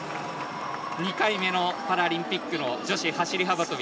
２回目のパラリンピックの女子走り幅跳び。